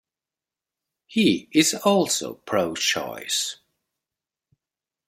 He is also pro-choice.